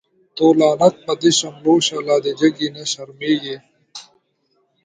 تو لعنت په دی شملو شه، لادی جگی نه شرمیږی